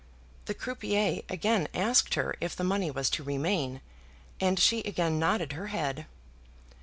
The croupier again asked her if the money was to remain, and she again nodded her head.